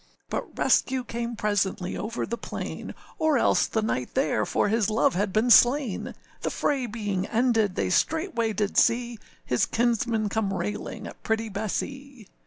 But rescue came presently over the plain, Or else the knight there for his love had been slain; The fray being ended, they straightway did see His kinsman come railing at pretty Bessee.